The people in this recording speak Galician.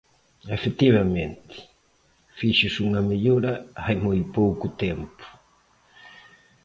Efectivamente, fíxose unha mellora hai moi pouco tempo.